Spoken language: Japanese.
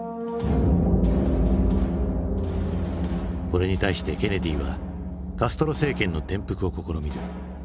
これに対してケネディはカストロ政権の転覆を試みる。